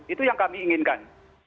itu yang kami inginkan